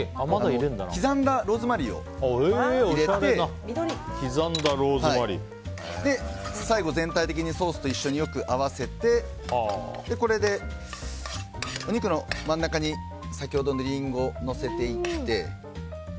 刻んだローズマリーを入れて最後、全体的にソースと一緒によく合わせてお肉の真ん中に先ほどのリンゴをのせていって。